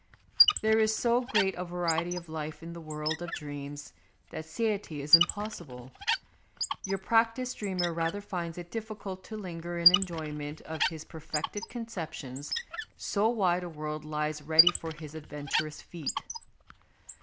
There is so great a variety of life in the world of dreams that satiety is impossible ; your prac tised dreamer rather finds it difficult to linger in enjoyment of his perfected con ceptions, so wide a world lies ready for his adventurous feet.